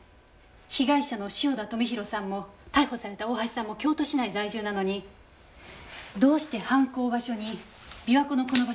被害者の汐田富弘さんも逮捕された大橋さんも京都市内在住なのにどうして犯行場所に琵琶湖のこの場所が選ばれたか。